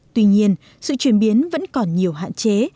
tuy nhiên sự chuyển biến vẫn còn nhiều hạn chế